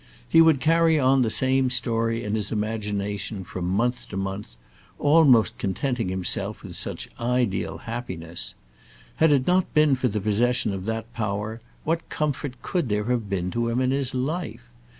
He would carry on the same story in his imagination from month to month, almost contenting himself with such ideal happiness. Had it not been for the possession of that power, what comfort could there have been to him in his life?